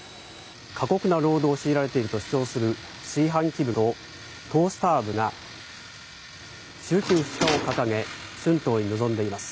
過酷な労働を強いられていると主張する炊飯器部とトースター部が週休２日を掲げ春闘に臨んでいます。